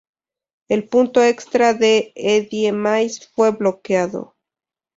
El punto extra de Eddie Mays fue bloqueado.